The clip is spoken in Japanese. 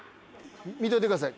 見といてください